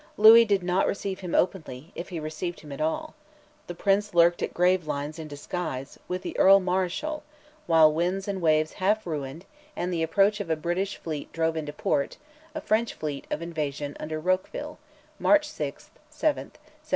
Louis did not receive him openly, if he received him at all; the Prince lurked at Gravelines in disguise, with the Earl Marischal, while winds and waves half ruined, and the approach of a British fleet drove into port, a French fleet of invasion under Roqueville (March 6, 7, 1744).